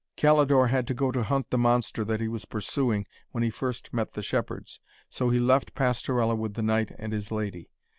Calidore had to go to hunt the monster that he was pursuing when he first met the shepherds, so he left Pastorella with the knight and his lady.